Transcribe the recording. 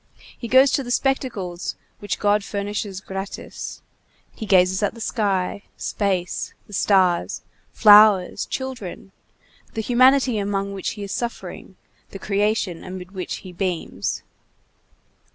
He goes to the spectacles which God furnishes gratis; he gazes at the sky, space, the stars, flowers, children, the humanity among which he is suffering, the creation amid which he beams.